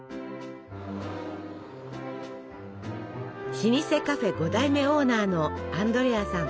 老舗カフェ５代目オーナーのアンドレアさん。